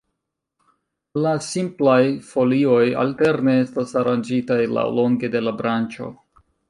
La simplaj folioj alterne estas aranĝitaj laŭlonge de la branĉo.